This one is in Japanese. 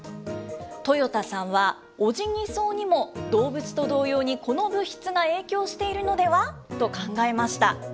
豊田さんは、オジギソウにも、動物と同様に、この物質が影響しているのではと考えました。